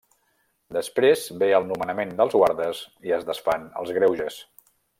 Després ve el nomenament dels guardes i es desfan els greuges.